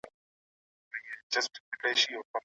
شراب به په راتلونکي کي هم وڅښل سي.